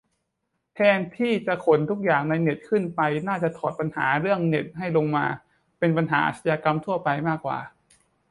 แทนที่จะขนทุกอย่างในเน็ตขึ้นไป น่าจะถอดปัญหาเรื่องเน็ตให้ลงมาเป็นปัญหาอาชญากรรมทั่วไปมากกว่า